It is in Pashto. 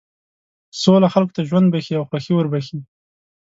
سوله خلکو ته ژوند بښي او خوښي وربښي.